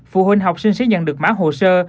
phụ huynh học sinh sẽ nhận được mã hồ sơ